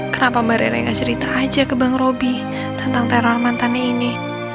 kenapa mbak rere gak cerita aja ke bang robi tentang teror mantannya ini